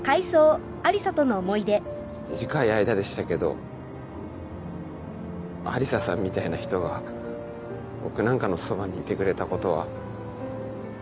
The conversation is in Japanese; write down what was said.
短い間でしたけどアリサさんみたいな人が僕なんかのそばにいてくれたことは。